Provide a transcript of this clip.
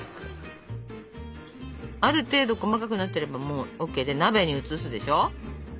ある程度細かくなってればもうＯＫで鍋に移すでしょ。